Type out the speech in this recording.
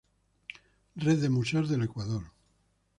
Red de Museos del Ecuador